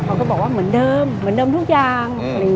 เขาก็บอกว่าเหมือนเดิมเหมือนเดิมทุกอย่าง